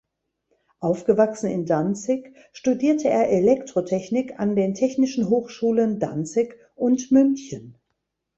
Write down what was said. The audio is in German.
Aufgewachsen in Danzig studierte er Elektrotechnik an den Technischen Hochschulen Danzig und München.